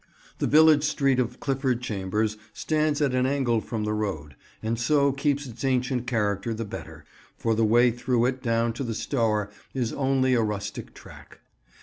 The village street of Clifford Chambers stands at an angle from the road, and so keeps its ancient character the better, for the way through it down to the Stour is only a rustic track.